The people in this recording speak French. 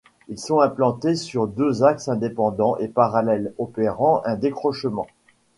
Ils sont implantés sur deux axes indépendants et parallèles, opérant un décrochement.